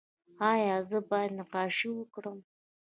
ایا زه باید نقاشي وکړم؟